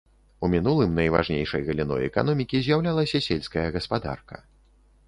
У мінулым найважнейшай галіной эканомікі з'яўлялася сельская гаспадарка.